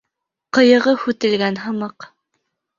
Ҡыйығы һүтелгән һымаҡ.